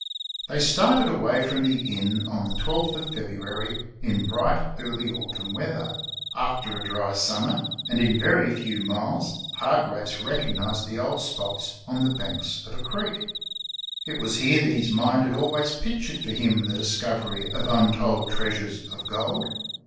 They started away from the inn on the 12 th of Febru ary, in bright, early autumn weather, after a dry sum mer, and in a very few miles Hargraves recognized the old spots on the banks of a creek. It was here that his mind had always pictured for him the discovery of untold treasures of gold.